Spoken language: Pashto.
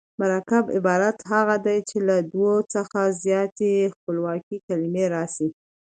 مرکب عبارت هغه دﺉ، چي له دوو څخه زیاتي خپلواکي کلیمې راسي.